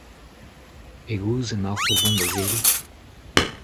Pegoulz emaoc'h o vont da Zelhi ?